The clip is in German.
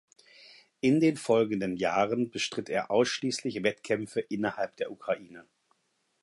In den folgenden Jahren bestritt er ausschließlich Wettkämpfe innerhalb der Ukraine.